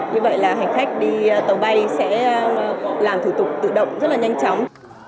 như vậy là hành khách đi tàu bay sẽ làm thủ tục tự động rất là nhanh chóng